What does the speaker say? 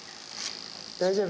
大丈夫？